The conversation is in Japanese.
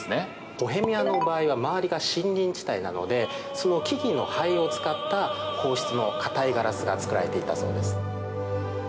ボヘミアの場合は周りが森林地帯なのでその木々の灰を使った硬質の硬いガラスが作られていたそうです。